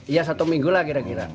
ya satu minggu lah kira kira